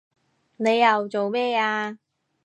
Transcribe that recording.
你又做咩啊